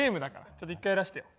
ちょっと一回やらしてよ。